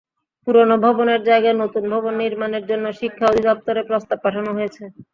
পুরোনো ভবনের জায়গায় নতুন ভবন নির্মাণের জন্য শিক্ষা অধিদপ্তরে প্রস্তাব পাঠানো হয়েছে।